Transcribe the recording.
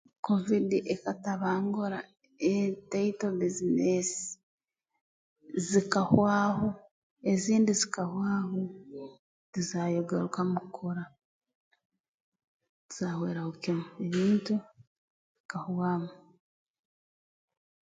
Kovidi ekatabangura entaito bbiizineesi zikahwaho ezindi zikahwaho tizaayogarukamu kukora zaahweraho kimu ebintu bikahwamu